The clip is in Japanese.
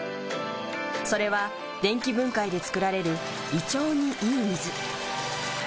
それは電気分解で作られる胃腸にいい水。